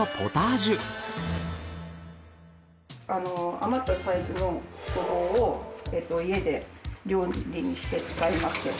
余ったサイズのゴボウを家で料理にして使います。